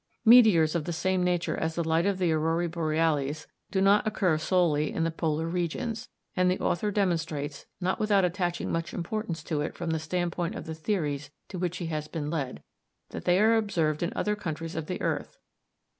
Meteors of the same nature as the light of the auroræ boreales do not occur solely in the polar regions, and the author demonstrates, not without attaching much importance to it from the standpoint of the theories to which he has been led, that they are observed in other countries of the earth.